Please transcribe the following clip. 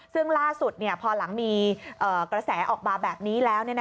ซึ่งล่าสุดพอหลังมีกระแสออกมาแบบนี้แล้ว